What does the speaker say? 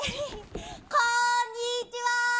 こんにちは！